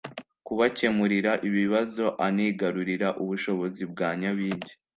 kubakemurira ibibazo anigarurira ubushobozi bwa Nyabingi